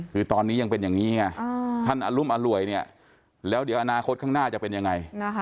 คือตอนนี้ยังเป็นอย่างนี้ไงท่านอรุมอร่วยเนี่ยแล้วเดี๋ยวอนาคตข้างหน้าจะเป็นยังไง